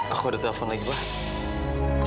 aku ada telepon lagi pak